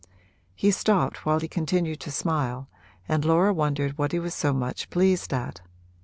He stopped while he continued to smile and Laura wondered what he was so much pleased at.